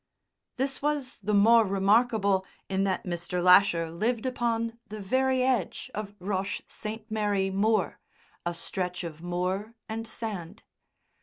This was the more remarkable in that Mr. Lasher lived upon the very edge of Roche St. Mary Moor, a stretch of moor and sand.